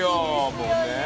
もうねえ。